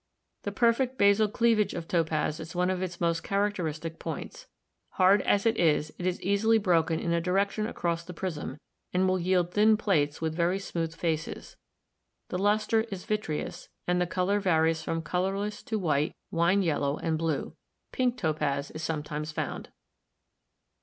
The perfect basal cleavage of topaz is one of its most characteristic points. Hard as it is, it is easily broken in a direction across the prism, and will yield thin plates with very smooth faces. The luster is vitreous, and the color varies from colorless to white, wine yellow, and blue. Pink topaz is sometimes found.